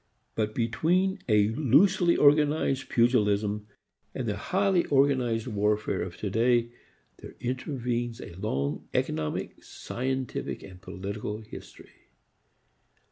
But between a loosely organized pugilism and the highly organized warfare of today there intervenes a long economic, scientific and political history.